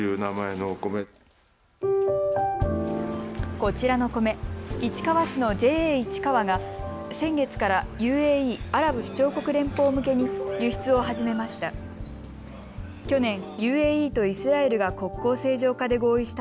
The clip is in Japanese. こちらの米、市川市のＪＡいちかわが先月からＵＡＥ・アラブ首長国連邦向けに輸出を始めました。